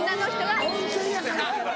あぁ温泉やから。